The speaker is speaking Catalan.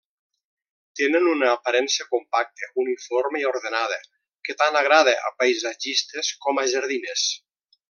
Tenen una aparença compacta, uniforme i ordenada que tant agrada a paisatgistes com a jardiners.